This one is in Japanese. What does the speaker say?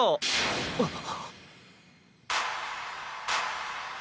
あっ。